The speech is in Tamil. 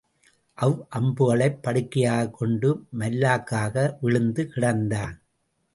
அவ் அம்புகளைப் படுக்கையாகக் கொண்டு மல்லாக்காக விழுந்து கிடந்தான்.